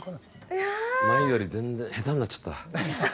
前より全然下手になっちゃった。